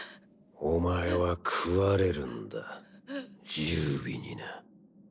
お前は食われるんだ十尾にな。